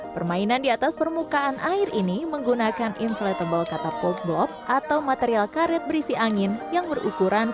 permainan di atas permukaan air ini menggunakan inflatable catapult block atau material karet berisi angin yang berukuran sembilan lima meter